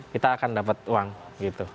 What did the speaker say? kita akan dapat uang gitu